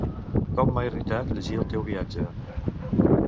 Com m'ha irritat llegir el teu viatge!